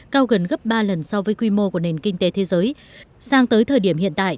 cao gần gấp ba lần so với quy mô của nền kinh tế thế giới sang tới thời điểm hiện tại